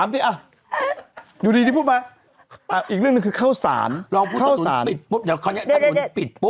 ไม่จะเล่นสำหรับอะไร